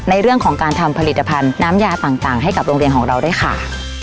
ในเรื่องของการทำผลิตภัณฑ์น้ำยาต่างให้กับโรงเรียนของเราด้วยค่ะ